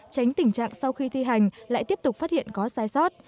tránh tình trạng sau khi thi hành lại tiếp tục phát hiện có sai sót